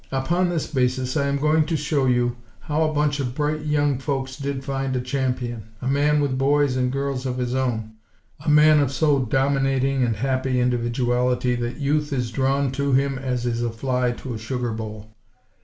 Upon this basis I am going to show you how a bunch of bright young folks did find a champion; a man with boys and girls of his own; a man of so dominating and happy individuality that Youth is drawn to him as is a fly to a sugar bowl.